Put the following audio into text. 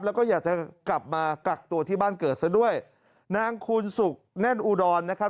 แล้วก็อยากจะกลับมากักตัวที่บ้านเกิดซะด้วยนางคูณสุขแน่นอุดรนะครับ